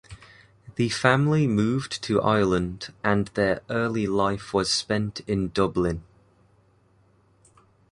The family moved to Ireland and their early life was spent in Dublin.